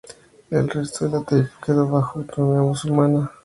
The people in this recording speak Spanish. El resto de la taifa quedó bajo autonomía musulmana.